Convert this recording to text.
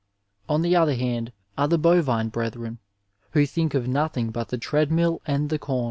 On the other hand are the bovine brethren, who think of no thing but the treadmill and the com.